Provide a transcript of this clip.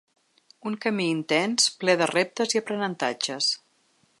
Un camí intens, ple de reptes i aprenentatges.